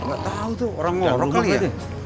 enggak tahu tuh orang ngorok kali ya